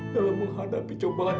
dalam menghadapi cobaan